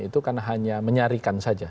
itu kan hanya menyarikan saja